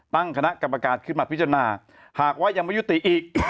ตั้งคณะกรรมการขึ้นมาพิจารณาหากว่ายังไม่ยุติอีก